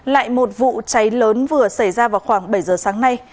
lại một vụ cháy lớn vừa xảy ra vào khoảng bảy giờ sáng nay